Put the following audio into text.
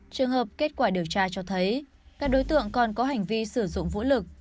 trường hợp kết quả điều tra cho thấy các đối tượng còn có hành vi sử dụng vũ lực